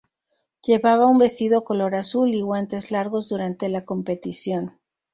Llevaba un vestido color azul y guantes largos durante la competición.